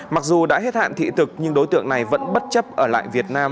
mặc dù đã hết hạn thị thực nhưng đối tượng này vẫn bất chấp ở lại việt nam